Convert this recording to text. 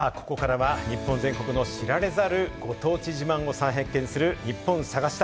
さあ、ここからは日本全国の知られざるご当地自慢を再発見するニッポン探し隊。